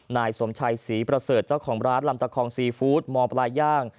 นายสมชัยศรีประเสริฐเจ้าของร้านลำตะคองซีฟู้ดมปลาย่าง